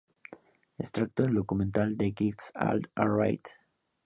Extracto del documental "The Kids Are Alright".